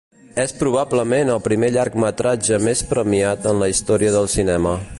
És probablement el primer llargmetratge més premiat en la història del cinema.